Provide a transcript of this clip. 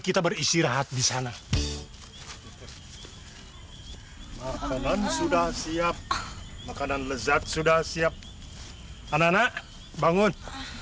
kita beristirahat di sana makanan sudah siap makanan lezat sudah siap anak anak bangun